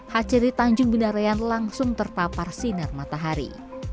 hatchery tanjung binarean langsung terpapar sinar matahari